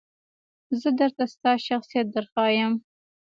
زه درته ستا شخصیت درښایم .